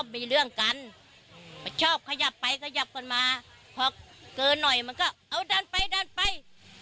มันชอบขยับไปขยับก่อนมาพอเกินหน่อยมันก็เอาด้านไปด้านไป